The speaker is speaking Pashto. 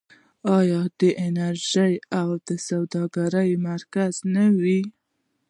آیا د انرژۍ او سوداګرۍ مرکز نه وي؟